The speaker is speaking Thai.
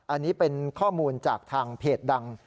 อันนี้เป็นข้อมูลจากทางเพจดัง